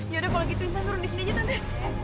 yaudah kalau gitu tante turun disininya tante